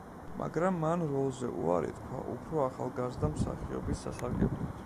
მაგრამ მან როლზე უარი თქვა უფრო ახალგაზრდა მსახიობის სასარგებლოდ.